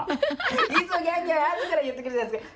いつもギャンギャン後から言ってくるじゃないですか。